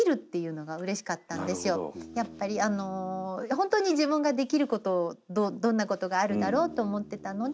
ほんとに自分ができることをどんなことがあるだろうと思ってたので。